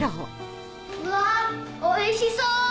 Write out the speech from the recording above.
うわおいしそう！